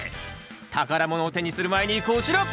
宝物を手にする前にこちら！